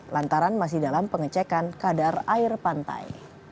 lantaran masih dalam pengecekan kadar air pantai